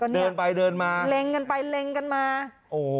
เดินไปเดินมาเล็งกันไปเล็งกันมาโอ้โห